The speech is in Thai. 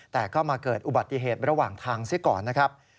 แต่ก็มาเกิดอุบัติเหตุระหว่างทางเสียก่อนนะครับ